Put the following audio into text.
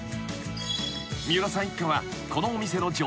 ［三浦さん一家はこのお店の常連］